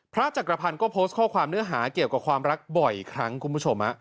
จักรพันธ์ก็โพสต์ข้อความเนื้อหาเกี่ยวกับความรักบ่อยครั้งคุณผู้ชม